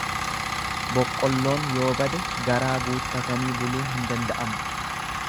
Boqqolloon yoo bade garaa guuttatanii buluun hin danda'amu.